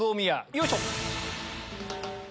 よいしょ！